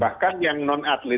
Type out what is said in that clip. bahkan yang non atlet